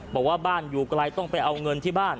บอกว่าบ้านอยู่ไกลต้องไปเอาเงินที่บ้าน